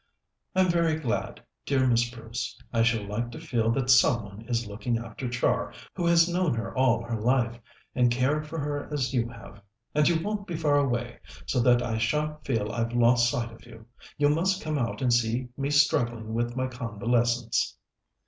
"I'm very glad, dear Miss Bruce. I shall like to feel that some one is looking after Char who has known her all her life, and cared for her as you have. And you won't be far away, so that I shan't feel I've lost sight of you. You must come out and see me struggling with my convalescents."